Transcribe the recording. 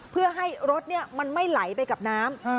เพื่อให้รถมันไม่ไหลไปกับน้ำ